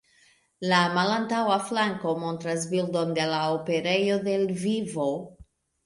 La malantaŭa flanko montras bildon de la operejo de Lvivo.